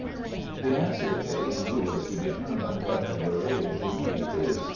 The answer is, Who is to determine what "vrai génie" is?